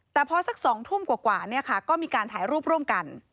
แต่พอสัก๒ทุ่มกว่าก็มีการถ่ายรูปร่วมกัน